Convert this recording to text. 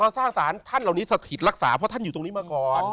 สร้างสารท่านเหล่านี้สถิตรักษาเพราะท่านอยู่ตรงนี้มาก่อน